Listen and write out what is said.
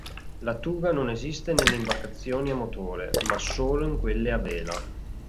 La tuga non esiste nelle imbarcazioni a motore, ma solo in quelle a vela.